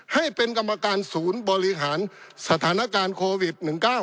ให้เป็นกรรมการศูนย์บริหารสถานการณ์โควิด๑๙